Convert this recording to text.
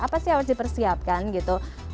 apa sih yang harus dipersiapkan gitu